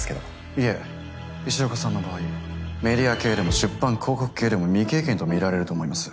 いえ石岡さんの場合メディア系でも出版広告系でも未経験と見られると思います。